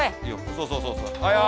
そうそうそうそう。